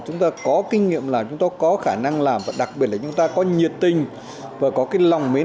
chúng ta có kinh nghiệm làm chúng ta có khả năng làm và đặc biệt là chúng ta có nhiệt tình và có cái